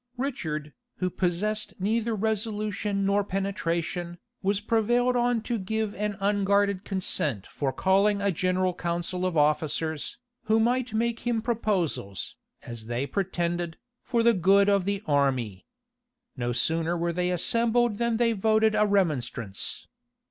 Richard, who possessed neither resolution nor penetration, was prevailed on to give an unguarded consent for calling a general council of officers, who might make him proposals, as they pretended, for the good of the army. No sooner were they assembled than they voted a remonstrance.